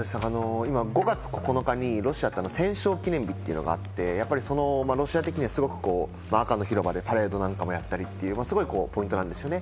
５月９日にロシア戦勝記念日というのがあって、ロシア的には赤の広場でパレードなんかもやったりして、すごいイベントなんですね。